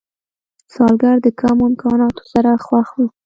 سوالګر د کمو امکاناتو سره خوښ وي